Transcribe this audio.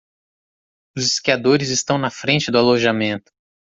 Os esquiadores estão na frente do alojamento.